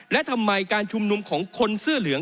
และทำไมการชุมนุมของคนเสื้อเหลือง